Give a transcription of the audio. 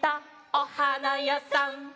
「おはなやさん」